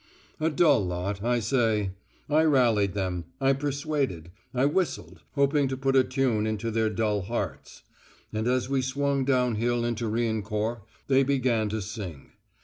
A dull lot, I say. I rallied them. I persuaded. I whistled, hoping to put a tune into their dull hearts; and as we swung downhill into Riencourt they began to sing.